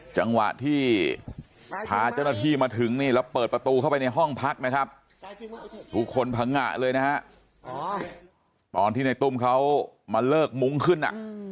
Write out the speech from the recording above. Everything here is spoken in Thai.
จังหวะที่พาเจ้าหน้าที่มาถึงนี่แล้วเปิดประตูเข้าไปในห้องพักนะครับทุกคนพังงะเลยนะฮะตอนที่ในตุ้มเขามาเลิกมุ้งขึ้น